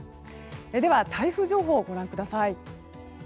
では台風情報をご覧ください。